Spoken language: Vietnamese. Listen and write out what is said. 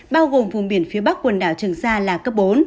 bao gồm vùng biển phía bắc quần đảo trường sa là cấp bốn